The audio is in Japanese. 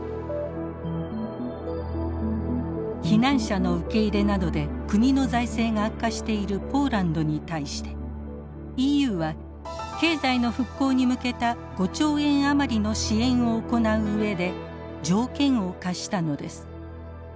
避難者の受け入れなどで国の財政が悪化しているポーランドに対してＥＵは経済の復興に向けた５兆円余りの支援を行う上で条件を課したのです。